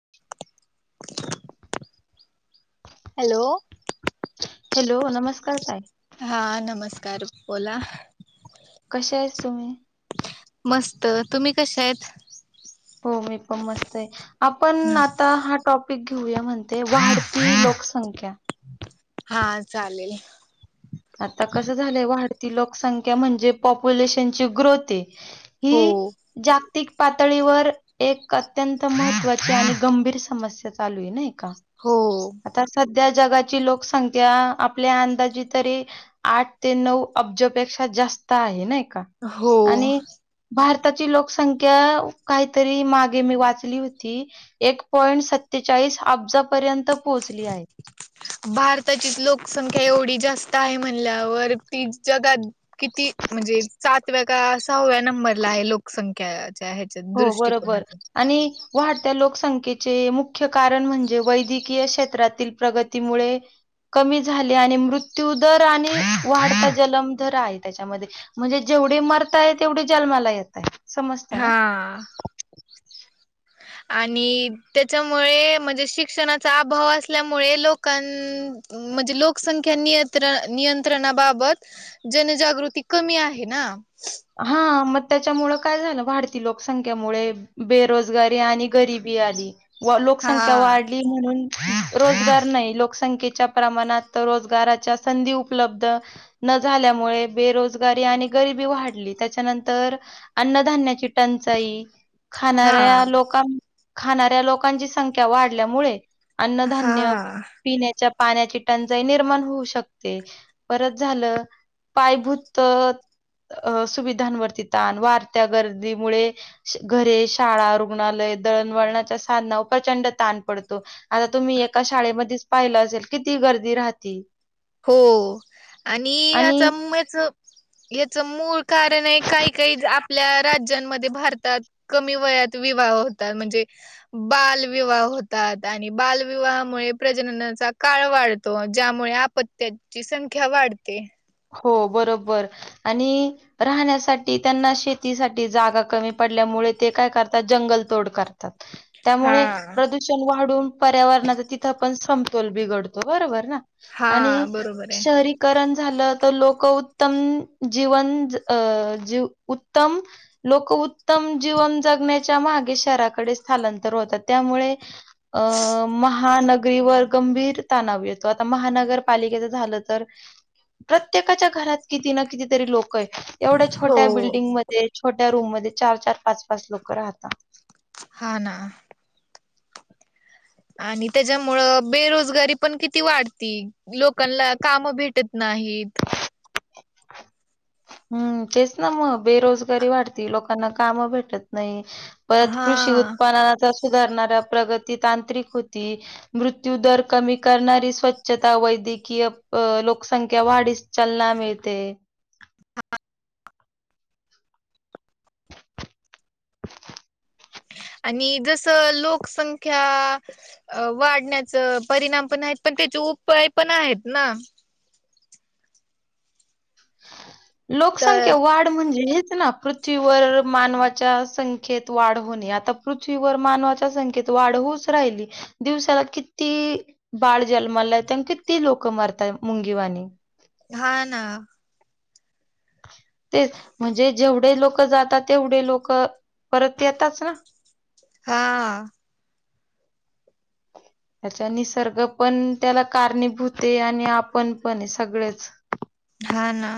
[unintelligible] Hello! Hello नमस्कार ताई हा [unintelligible] [unintelligible] मस्त तुम्ही कशा आहेत? हो मी पण मस्त आहे. आपण आता हा टॉप घेऊया म्हणते वाढती लोकसंख्या हा चालेल. आता कसं झालंय वा... ती लोकसंख्या म्हणजे पॉप्युलेशन ची ग्रोथे... हो. हि जा.. तिक पातळीवर एक अत्यंत महत्त्वाची आणि गंभीर समस्या चालू आहे नाही. हो. त्या जगाची लोकसंख्या आपल्या अंदाजी तरी आठ ते नऊ अब्जपेक्षा जास्त आहे ना. हो आणि भार... आताची लोकसंख्या काहीतरी मागे मी वाचली होती एक पॉइंट सत्तेचाळीस अब्जापर्यंत पोहोचली आहे. भारताची लोकसंख्या एवढी जास्त आहे म्हणल्यावर ती जगात किती म्हणजे सातव्या का सहाव्या नंबरला आहे लोकसंख्या.. हो बरोबर आणि... वाढत्या लोकसंख्येचे मुख्य कारण म्हणजे वैद्यकीय क्षेत्रातील प्रगतीमुळे कमी झाले आणि मृत्यू दर आणि वाढता जलम दर आहे त्याच्यामध्ये म्हणजे जेवढे मरताय तेवढे जन्माला येत आहे. समस्त ना. हा. आणि त्याच्यामुळे म्हणजे शिक्षणाचा अभाव असल्यामुळे लोकां म्हणजे लोकसंख्या नियंत्र नियंत्रणाबाबत जनजागृती कमी आहे ना. हा म. त्याच्यामुळे काय झालं वाढती लोकसंख्यामुळे बेरोजगारी आणि गरीिबी आली. व हा लोकसंख्या वाढली म्हणून... रोजगार नाही लोकसंख्येच्या प्रमाणात रोजगाराच्या संधी उपलब्ध न झाल्यामुळे बेरोजगारी आणि गरबी वाढ... त्याच्यानंतर अन्नधान्याची टंचाई हा खाणाऱ्या लोकां खाणाऱ्या लोकांची संख्या वाढल्यामुळे हा अन्नधान्य, पिण्याच्या पाण्याची टंचाई निर्माण होऊ शकते. परत झालं पायभूत अ सुविधांवरती ताण वाढत्या गर्दीमुळे घरे, शाळा, रुग्णालय, दळणवळणाच्या साधनावर प्रचंड ताण पडतो. आता तुम्ही एका शाळेमध्ये पाहिलं असेल किती गर्दी राहती. हो आणि आच याच मूळ कारण आहे काही काही आपल्या राज्यांमध्ये भारतात कमी वयात विवाह होतात म्हणजे बालविवाह होतात आणि बालविवाहामुळे प्रजननाचा काळ वाढतो. ज्यामुळे अपत्याची संख्या वाढते. हो बरोबर आणि राहण्यासाठी त्यांना शेतीसाठी जागा कमी पडल्यामुळे ते काय करतात जंगल तोड करतात. हा त्यामुळे प्रदूषण वाढून पर्यावरणाच तिथं पण सम- -तोल बीघडतो बरोबर ना. हा आणि बरोबर आहे शहरीकरण झालं लोकउत्तम जीवन उत्तम लोकउत्तम जीवन जगण्याच्या मागे शहराकडे स्थलांतर होतात. त्यामुळे अ महानग गाईवर गंभीर तणाव येतो. आता महानगरपालिकेच झालं तर प्रत्येकाच्या घरात किती ना कितीतरी लोक एवढ्या हो छोट्या बिल्डिंग मध्ये छोट्या रूममध्ये चार चार पाच पाच लोक राहतात. हा ना आणि त्याच्यामुळं बेरोजगारी पण किती वाढती. लोकांना काम भेटत नाहीत. हम्म तेच ना मग बेरोजगारी वाढती. लोकांना काम भेटत नाही. परत कृषी हा उत्पादनाचा धरणाऱ्या प्रगती तांत्रिक होती. मृत्यू दर कमी करणारी स्वच्छता वैद्यकीय लोकसंख्या वाढीस चालना मिळते. आणि जस लोकसंख्या वाढण्याच परिणाम पण आहेत पण त्याचे उपाय पण आहेत ना [unintelligible] तर लोकसंख्या वाढ म्हणजे ना पृथ्वीवर मानवाच्या संख्येत वाढ होणे. आता पृथ्वीवर मानवाच्या संख्येत वाढ होच राहिली. दिवसाला किती बाळ जन्माला येतय किती लोक मरतात मुंगीवाणी. हा ना तेच म्हणजे जेवढे लोक जातात तेवढे लोक परत येताच ना. हा त्याचा निसर्ग पण त्याला कारणीभूत आहे आणि आपण पण सगळेच हा ना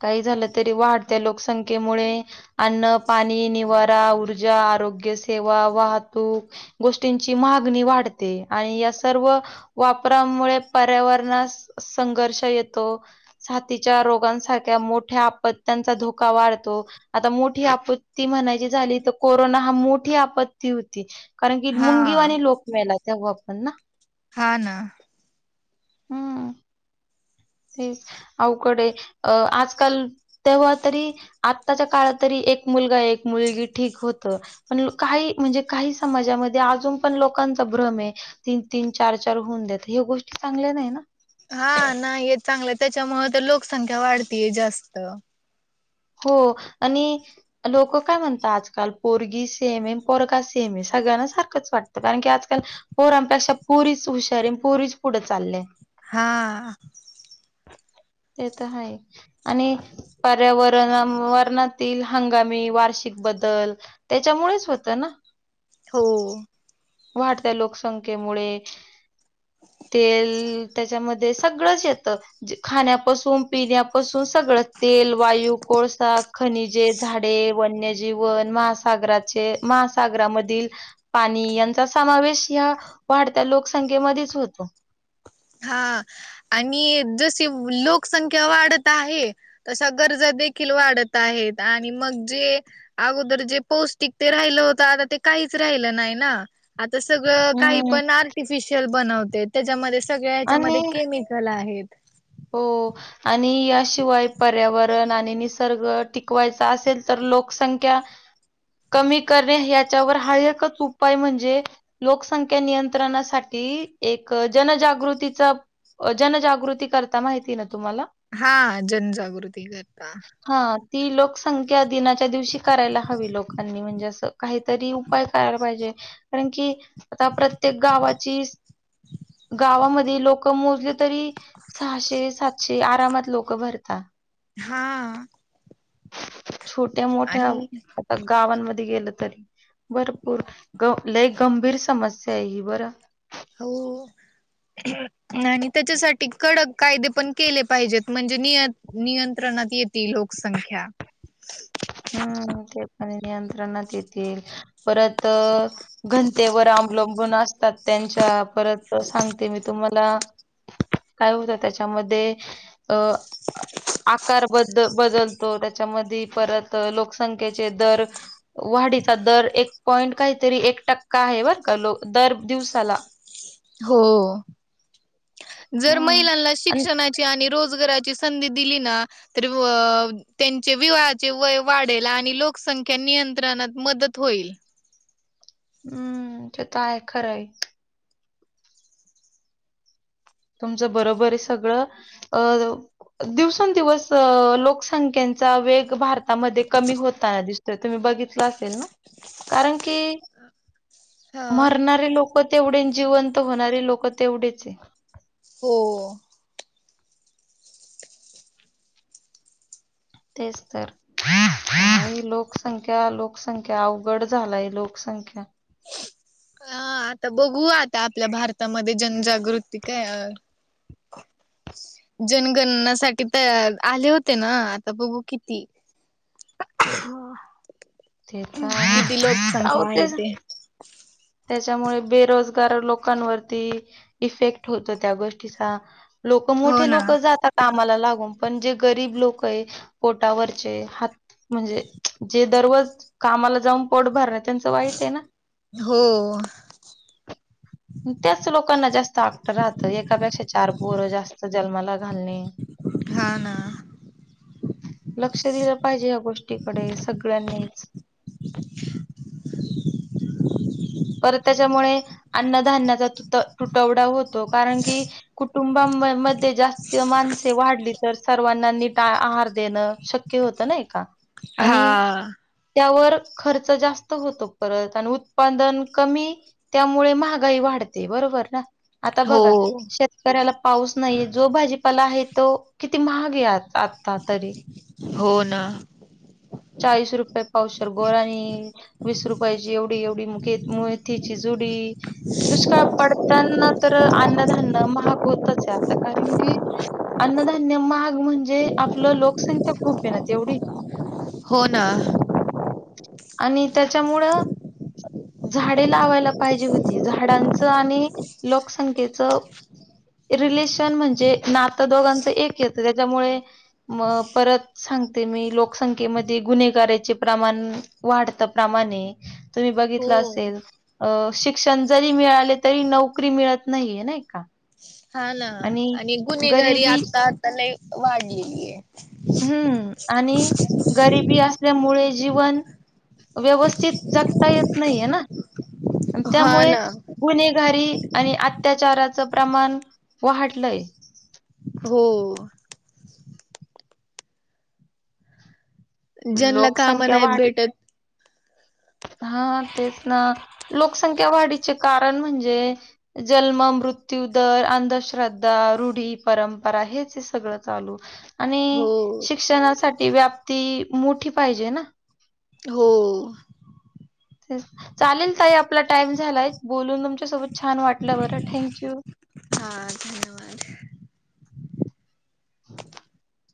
काही झालं तरी वाढत्या लोकसंख्येमुळे अन्न, पाणी, निवारा, ऊर्जा, आरोग्य सेवा, वाहतूक गोष्टींची मागणी वाढते आणि या सर्व वापरामुळे पर्यावरणास संघर्ष येतो. सााथीच्या रोगा सारख्या मोठ्या आपत्यांचा धोका वाढतो. आता मोठी आपत्ती म्हणायची झाली तर कोरोना हा मोठी आपत्ती होती. कारण की हा मुंगीवानी लोक मेल्यात. तेव्हा पण ना हा ना. हम्म. तेच अवकडे अ आजकाल तेव्हा तरी आताच्या काळात तरी एक मुलगा एक मुलगी ठीक होत, पण काही म्हणजे काही समाजामध्ये अजून पण लोकांचा भ्रम हे. तीन-तीन चार-चार होऊन देत हे गोष्टी चांगल्या नाही ना. हा नाहीय चांगलं त्याच्यामुळ तर लोकसंख्या वाढतीय जास्त. हो आणि लोक काय म्हणतात आजकाल पोरगी सेम आहे पोरगा सेम आहे सगळ्यांना सारखंच वाटतं कारण की आजकाल पोरांपेक्षा पेक्षा पोरीच हुशारे हे पोरीच पुढं चाललेत. हा ते तर आहे. आणि पर्यावरणा वरणातील हंगामी वार्षिक बदल त्याच्यामुळेच होत ना. हो. वाढत्या लोकसंख्येमुळे तेल त्याच्यामध्ये सगळंच येत खाण्यापासून पिण्यापासून सगळं तेल, वायू, कोळस खनिजे, झाडे, वन्यजीवन, महासागराचे महासागरा मधील पाणी चा समावेश या वाढत्या लोकसंख्येमध्येच होतो. हा आणि जशी लोकसंख्या वाढत आहे तशा गरजा देखील वाढत आहेत. आणि मग जे अगोदर जे पौष्टिक ते राहिलं होत आता ते काहीच राहिलं नाही ना. तर सगळं काही हम्म पण आर्टिफिशियल बनवते त्याच्यामध्ये सगळ्या ह्याच्यामध्ये आणि केमिकल आहे, [inaudible] हो आणि याशिवाय पर्यावरण आणि निसर्ग टिकवायचा असेल तर लोकसंख्या कमी करणे याच्यावर हा एकच उपाय म्हणजे लोकसंख्या नियंत्रणासाठी एक जनजागृतीचा जनजागृती कर माहिती का हा जनजागृती करता हां, ती लोकसंख्या दिनाच्या दिवशी करायला हवी लोकांनी, म्हणजे असं काहीतरी उपाय करायला पाहिजे कारण कि आता प्रत्येक गावाची गावामध्ये लोक मोजली तरी सहाशे, सातशे आरामात लोक भरतात. हा. छोट्या मोठ्या आणि गावांमध्ये गेलं तरी भरपूर लय गंभीर समस्या आहे ही बर. हो आणि त्याच्यासाठी कडक कायदे पण केले पाहिजेत, म्हणजे निय नियंत्रणात येती लोकसंख्या. हम्म ते पण नियंत्रणात येतील, परत घनतेवर अवलंबून असतात त्यांच्या परत सांगते मी तुम्हाला काय होत त्याच्यामध्ये अ आकार ब बदलतो त्याच्यामध्ये परत लोकसंख्येचे दर वाढीचा दर एक पॉइंट काहीतरी एक टक्का आहे बर का दर दिवसाला. हो जर हम्म महिलांना आणि शिक्षणाची आणि रोज जगाराची संधी दिली ना, तर त्यांचे विवाहाचे वय वाढेल आणि लोकसंख्या नियंत्रणात मदत होईल. हम्म ते तर आहे खरंय. तुमचं बरोबर आहे सगळं अ दिवसेंदिवस लोकसंख्येचा वेग भारत कमी होताना दिस तुम्ही बघितलं असेल ना? कारण की हां. मरणारे लोक तेवढे जिवंत होणारे लोक तेवढेच आहेत. हो. तेच तर लोकसंख्या, लोकसंख्या अवघड झालाय लोकसंख्या. हा आता बघू आता आपल्या भारतामध्ये जनजागृती काय जनगणनासाठी तर आले होते ना आता बघू किती [unintelligible] टेट्रा किती आहे अहो लोकसंख्या आहे तेच [inaudible] ते. त्याच्यामुळे बेरोजगार लोकांवरती इफेक्ट होतो त्या गोष्टीचा लोक हो मोठे ना. लोक जात का मला लागून पण जे गरीब लोक आहे पोटावरचे हात- म्हणजे जे दररोज कामाला जाऊन पोट भर- त्यांच वाईट आहे ना! हो. त्याच लोकांना जास्त आट राहतं एकापेक्षा चार पोरं जास्त- जन्माला घालणे, ाना! लक्ष दिलं पाहिजे या गोष्टीकडे सगळ्यांनीच. पर त्याच्यामुळे अन्नधान्याचा तु तुटवडा होतो कारण की कुटुंबा मध्ये जास्त माणसे वाढली तर सर्वांना नीट आहार देणं शक्य होतं, नाही का! हा! आणि त्यावर खर्च जास्त होतो परत आणि उत्पादन- कमी त्यामुळे महागाई वाढते. बरोबर ना! आता हो बघा शेतकऱ्याला- पाऊस नाही जो भाजीपाला आहे तो किती महाग आहे आ आता तरी. हो ना. चाळीस रुपये पावसर गोरनी वीस रुपयाची एवढी एवढी मेथीची जुडी दुष्काळ पडताना तर अन्नधान्य महाग होतच आहे आता, कारण की अन्नधान्य महाग म्हणजे आपलं लोकसंख्या खूप ये ना एवढी. हो ना. आणि त्याच्यामुळं झाडे लावायला पाहिजे होती झाडांचं आणि लोकसंख्येच रिलेशन म्हणजे नातं दोघांचं एक येतं त्याच्यामुळे म परत सांगते मी लोकसंख्येमध्ये गुन्हेगाचे प्रमाण- वाढत प्रमाणे तुम्ही बघितलं हो. असेल अ शिक्षण जरी मिळाले तरी नोकरी मिळत नाहीे. नाही का! हा ना आणि गुन्हेगारी गरिबी आता आता ल वाढलेली आहे. हं आणि गरिबी असल्यामुळे जीवन व्यवस्थित जगता येत नाहीे ना! आणि हा त्यामुळे ना गुन्हेगारी- आणि अत्याचाराचं प्रमाण- व्हडलंय. हो जनला कामाना लोकसंख्या आहेतत वाढ भेटत- हा तेच ना लोकसंख्या वाढीचे कारण, म्हणजे जन्म मृत्यू दर अंधश्रद्धा रूढी परंपरा हेच सगळ चालू- आणि हो शिक्षणाच- साठी व्यापती मोठी पाहिजे ना. हो ते चालेल ताई आपला टाइम झालाय बोलून तुमच्या सोबत छान वाटलं बरं थँंक यू! हा धन्यवाद. [inaudible]